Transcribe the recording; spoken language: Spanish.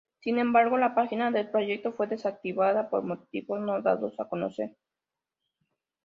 Sin embargo, la página del proyecto fue desactivada por motivos no dados a conocer.